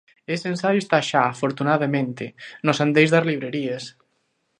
Ese ensaio está xa, afortunadamente, nos andeis das librerías.